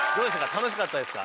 楽しかったですか？